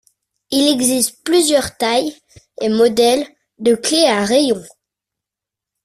Il existe plusieurs tailles et modèles de clés à rayons.